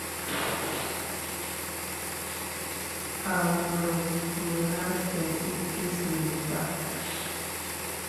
À wolɔ̀ mə à səŋ ìkə̀s mìntàk.